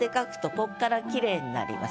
ここからきれいになります。